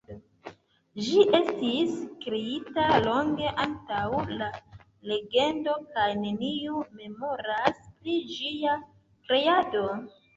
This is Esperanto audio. Ĝi estis kreita longe antaŭ la legendo kaj neniu memoras pri ĝia kreado.